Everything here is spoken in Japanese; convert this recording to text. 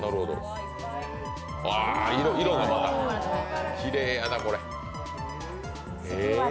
色がまた、きれいやな。